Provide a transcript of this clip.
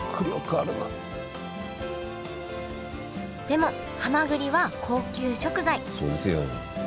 でもはまぐりは高級食材そうですよ。